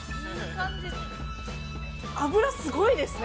脂がすごいですね。